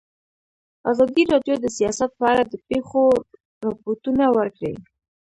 ازادي راډیو د سیاست په اړه د پېښو رپوټونه ورکړي.